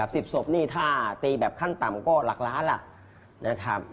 สิบศพนี่ถ้าตีแบบขั้นต่ำก็หลักล้านล่ะนะครับ